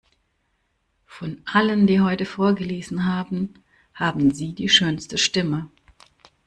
Von allen, die heute vorgelesen haben, haben Sie die schönste Stimme.